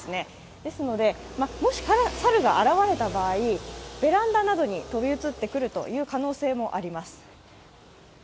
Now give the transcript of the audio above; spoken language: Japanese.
ですので、もし猿が現れた場合、ベランダなどに飛び移ってくる可能性もあります。